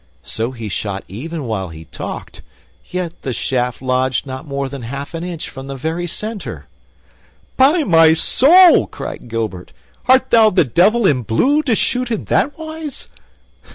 So he shot even while he talked, yet the shaft lodged not more than half an inch from the very center. "By my soul!" cried Gilbert. "Art thou the devil in blue, to shoot in that wise?"